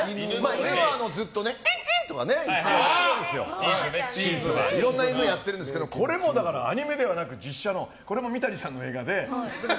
犬はずっと、キュンキュンとかいろんな犬をやってるんですけどアニメではなく、実写のこれも三谷さんの映画で。